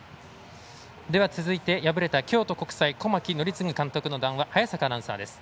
続いて、敗れた京都国際小牧憲継監督の談話、早坂アナウンサーです。